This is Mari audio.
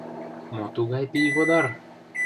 — Мо тугай пийводар?